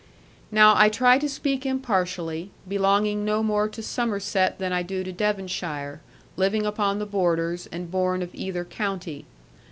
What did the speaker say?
Now I try to speak impartially, belonging no more to Somerset than I do to Devonshire, living upon the borders, and born of either county.